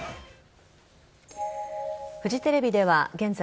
フジテレビでは現在